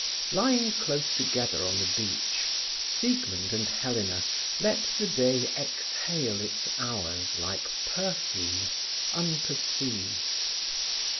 Lying close together on the beach, Siegmund and Helena let the day exhale its hours like perfume, unperceived.